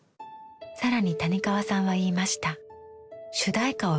更に谷川さんは言いました。